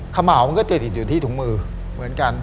ขม่าวมันก็จะติดอยู่ที่ถุงมือเหมือนกัน